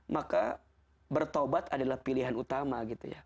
maka bertobat adalah pilihan utama gitu ya